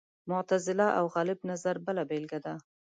معتزله او غالب نظر بله بېلګه ده